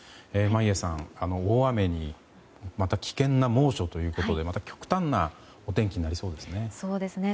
眞家さん、大雨にまた危険な猛暑ということでまた極端なお天気になりそうですね。